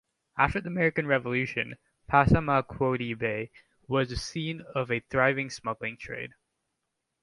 After the American Revolution, Passamaquoddy Bay was the scene of a thriving smuggling trade.